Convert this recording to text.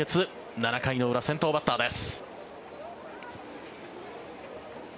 ７回の裏、先頭バッターです。